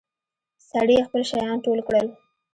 سړي خپل شيان ټول کړل.